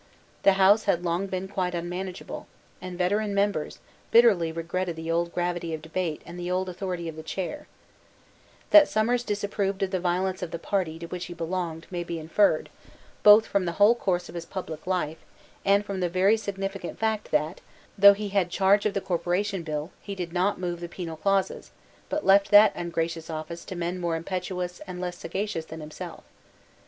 The House had long been quite unmanageable; and veteran members bitterly regretted the old gravity of debate and the old authority of the chair, That Somers disapproved of the violence of the party to which he belonged may be inferred, both from the whole course of his public life, and from the very significant fact that, though he had charge of the Corporation Bill, he did not move the penal clauses, but left that ungracious office to men more impetuous and less sagacious than himself.